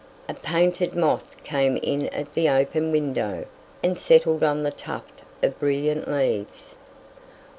A painted moth came in at the open window and settled on the tuft of brilliant leaves.